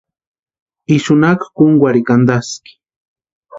Ixu naki kúnkwarhikwa antaski.